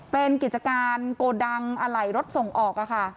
เป็นกิจการโกดังอะไหล่รถส่งออกค่ะ